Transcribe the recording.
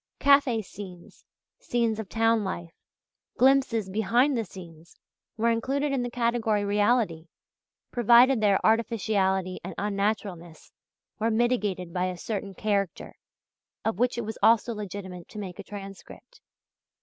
Café scenes, scenes of town life, glimpses "behind the scenes," were included in the category reality, provided their "artificiality" and "unnaturalness" were mitigated by a certain "character" of which it was also legitimate to make a transcript.